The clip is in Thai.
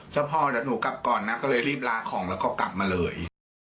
เจ้าพ่อเหล่าน้องกลับก่อนนะเราก็รีบลากของกลับมาเลย